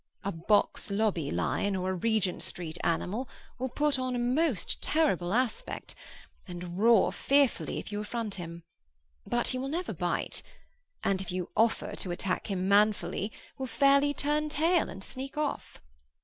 A box lobby lion or a Regent street animal will put on a most terrible aspect, and roar, fearfully, if you affront him; but he will never bite, and, if you offer to attack him manfully, will fairly turn tail and sneak off.